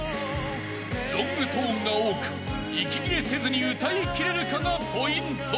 ［ロングトーンが多く息切れせずに歌い切れるかがポイント］